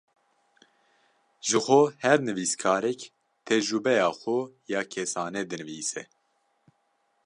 Jixwe her nivîskarek, tecrubeya xwe ya kesane dinivîse